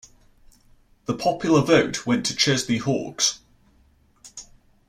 The popular vote went to Chesney Hawkes.